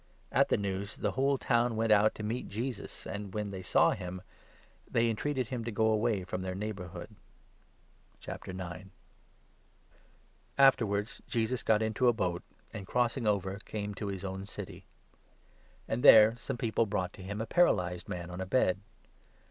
At the news the whole town went out to meet Jesus, and, when 34 they saw him, they entreated him to go away from their neighbourhood. cure of Afterwards Jesus got into a boat, and, crossing i 9 a paralyzed over, came to his own city. And there 2 Man. some people brought to him a paralyzed man on a bed.